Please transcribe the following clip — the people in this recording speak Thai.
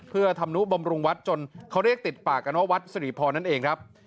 เพื่อทำนุบำรุงวัดจนเขาเรียกติดปากกันว่าวัดสิริพรนั่นเองครับ